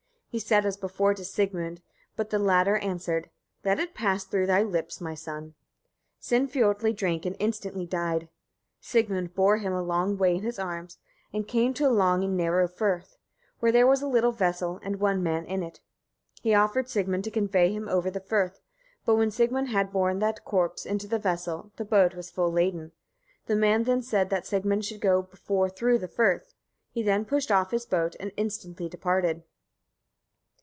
He said as before to Sigmund, but the latter answered: "Let it pass through thy lips, my son." Sinfiotli drank and instantly died. Sigmund bore him a long way in his arms, and came to a long and narrow firth, where there was a little vessel and one man in it. He offered Sigmund to convey him over the firth; but when Sigmund had borne the corpse into the vessel, the boat was full laden. The man then said that Sigmund should go before through the firth. He then pushed off his boat and instantly departed.